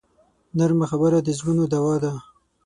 نرمه خبره د زړونو دوا ده